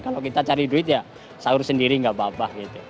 kalau kita cari duit ya sahur sendiri nggak apa apa gitu